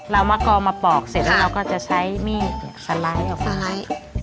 มะกองมาปอกเสร็จแล้วเราก็จะใช้มีดสไลด์ออกสไลด์